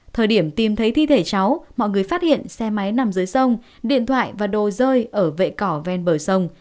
thời điểm tìm thấy thi thể cháu mọi người phát hiện xe máy nằm dưới sông điện thoại và đồ rơi ở vệ cỏ ven bờ sông